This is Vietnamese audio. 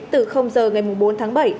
từ h ngày bốn tháng ba